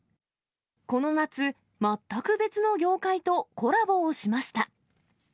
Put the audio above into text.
この夏、全く別の業界とコラボをしました。